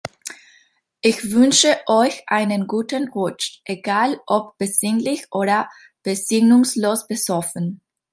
Ich wünsche euch einen guten Rutsch, egal ob besinnlich oder besinnungslos besoffen.